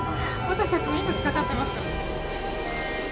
私たちの命懸かってますから。